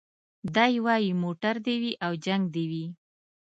دی وايي موټر دي وي او جنګ دي وي